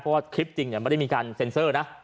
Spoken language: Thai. เพราะว่าคลิปจริงไม่ได้มีการเซ็นเซอร์นะ